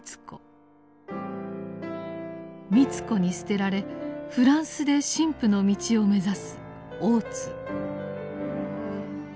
美津子に棄てられフランスで神父の道を目指す大津。